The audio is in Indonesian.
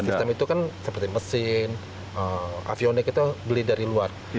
sistem itu kan seperti mesin avionik itu beli dari luar